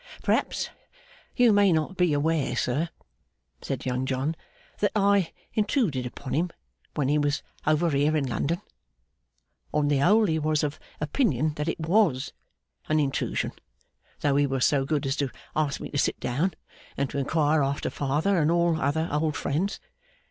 'Perhaps you may not be aware, sir,' said Young John, 'that I intruded upon him when he was over here in London. On the whole he was of opinion that it was an intrusion, though he was so good as to ask me to sit down and to inquire after father and all other old friends.